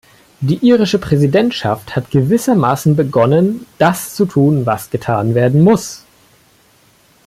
Die irische Präsidentschaft hat gewissermaßen begonnen, das zu tun, was getan werden muss.